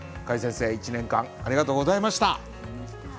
櫂先生１年間ありがとうございました。